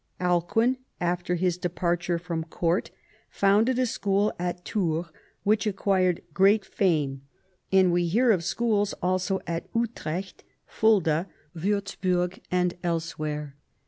Alcuin, after his departure from court, founded a school at Tours, which acquired great fame ; and we hear of schools also at Utrecht, Fulda, Wurzburg, and else where.